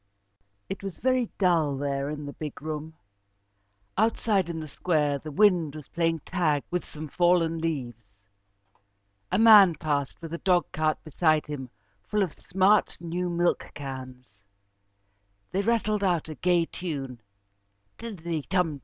It was very dull there in the big room. Outside in the square, the wind was playing tag with some fallen leaves. A man passed, with a dogcart beside him full of smart, new milkcans. They rattled out a gay tune: "Tiddity tum ti ti.